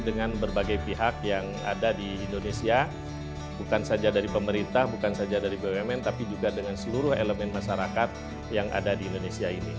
dengan berbagai pihak yang ada di indonesia bukan saja dari pemerintah bukan saja dari bumn tapi juga dengan seluruh elemen masyarakat yang ada di indonesia ini